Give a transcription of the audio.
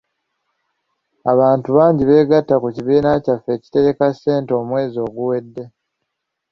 Abantu bangi beegatta ku kibiina kyaffe ekitereka ssente omwezi oguwedde.